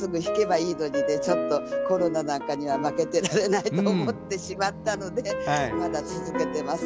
ちょっとコロナなんかには負けてられないと思ってしまったのでまだ続けてます。